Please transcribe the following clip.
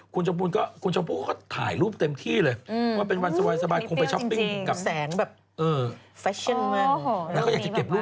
คุณชมพูก็ถ่ายรูปเต็มที่เลย